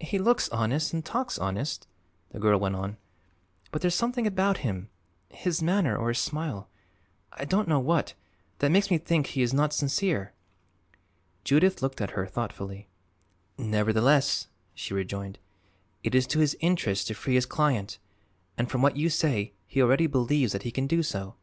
"He looks honest, and talks honest," the girl went on, "but there's something about him his manner or his smile; I don't know what that makes me think he is not sincere." Judith looked at her thoughtfully. "Nevertheless," she rejoined, "it is to his interest to free his client, and from what you say he already believes that he can do so."